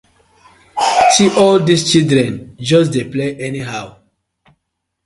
See all dis children just dey play anyhow.